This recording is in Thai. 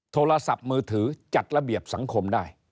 โทรศัพท์มือถือจัดระเบียบสังคมได้